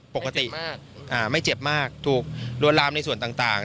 ปกติไม่เจ็บมากถูกลวนลามในส่วนต่าง